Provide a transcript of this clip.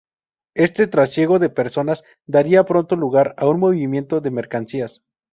Este trasiego de personas daría pronto lugar a un movimiento de mercancías.